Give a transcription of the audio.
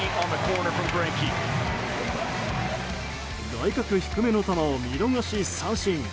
外角低めの球を見逃し三振。